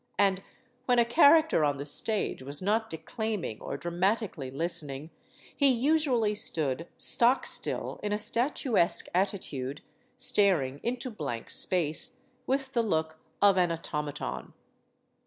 And when a character on the stage was not declaiming or dramati cally listening, he usually stood stock still in a statu esque attitude, staring into blank space, with the look of an automaton.